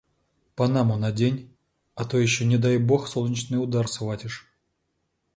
Панаму надень, а то ещё не дай бог солнечный удар схватишь.